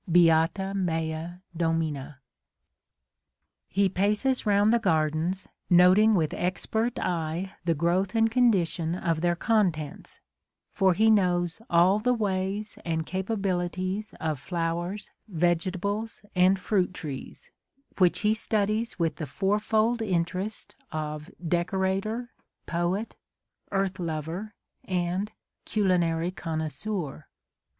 Beata mea Domina !... He paces round the gardens, noting with expert eye the growth and condition of their contents : for he knows "all the ways and capabilities of flowers, vegetables and fruit trees," which he studies with the fourfold A DAY WITH WILLIAM MORRIS. interest of decorator, poet, earth lover and culinary connoisseur.